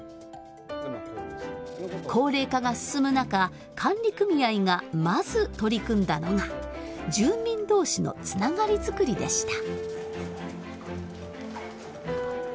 高齢化が進む中管理組合がまず取り組んだのが住民同士のつながり作りでした。